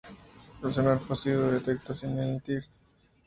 El sonar pasivo detecta sin emitir.